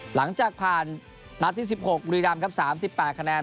หลังจากผ่านนัดที่๑๖บุรีรำครับ๓๘คะแนน